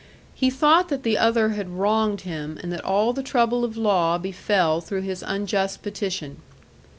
He thought that the other had wronged him, and that all the trouble of law befell through his unjust petition.